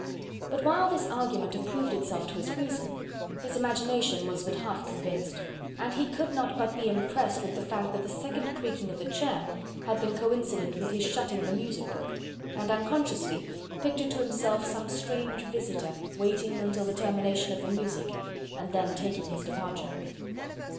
But while this argument approved itself to his reason, his imagination was but half convinced; and he could not but be impressed with the fact that the second creaking of the chair had been coincident with his shutting the music book; and, unconsciously, pictured to himself some strange visitor waiting until the termination of the music, and then taking his departure.